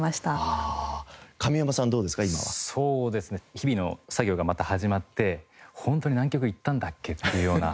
日々の作業がまた始まって「ホントに南極行ったんだっけ？」っていうような。